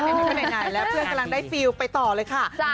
ในไหนแล้วเพื่อนกำลังได้ฟีลไปต่อเลยค่ะจ้ะ